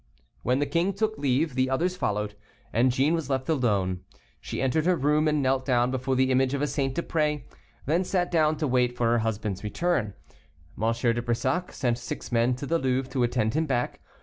When the king took leave, the others followed, and Jeanne was left alone. She entered her room, and knelt down before the image of a saint to pray, then sat down to wait for her husband's return. M. de Brissac sent six men to the Louvre to attend him back.